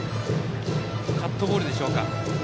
カットボールでしょうか。